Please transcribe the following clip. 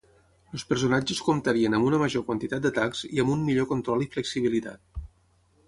Els personatges comptarien amb una major quantitat d'atacs i amb un millor control i flexibilitat.